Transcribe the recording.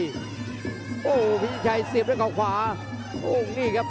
พี่ชัยโอ้พี่ชัยเสียบด้วยเกาะขวาโอ้นี่ครับ